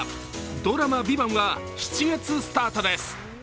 ドラマ「ＶＩＶＡＮＴ」は７月スタートです。